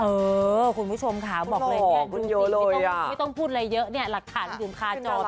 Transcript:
เออคุณผู้ชมค่ะบอกเลยไม่ต้องพูดอะไรเยอะหลักฐานกลุ่มคาจอบเลย